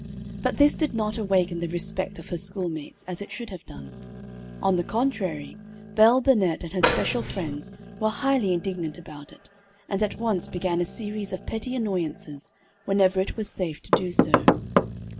But this did not awaken the respect of her schoolmates as it should have done. On the contrary, Belle Burnette and her special friends were highly indignant about it, and at once began a series of petty annoyances, whenever it was safe to do so.